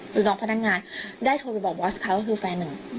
คือน้องพนักงานได้โทรไปบอกบอสเขาก็คือแฟนหนึ่ง